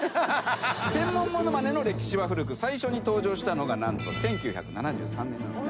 専門ものまねの歴史は古く最初に登場したのが何と。